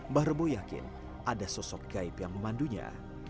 mbah rebo yakin ada sosok gaib yang memandunya